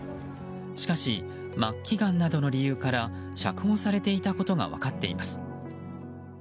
しかし、末期がんなどの理由から釈放されていたことが分かっています。